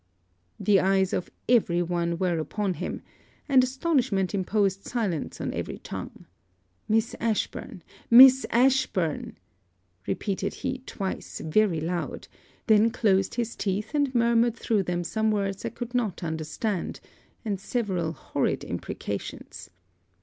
The eyes of every one were upon him; and astonishment imposed silence on every tongue. 'Miss Ashburn! Miss Ashburn!' repeated he twice very loud; then closed his teeth and murmured through them some words I could not understand, and several horrid imprecations.